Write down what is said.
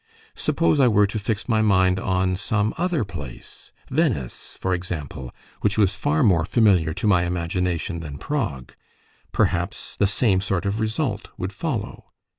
Suppose I were to fix my mind on some other place Venice, for example, which was far more familiar to my imagination than Prague: perhaps the same sort of result would follow.